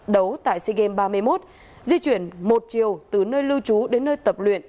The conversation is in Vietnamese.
đấu tại sea games ba mươi một di chuyển một chiều từ nơi lưu trú đến nơi tập luyện